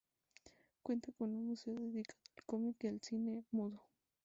Cuenta con un museo dedicado al cómic y al cine mudo.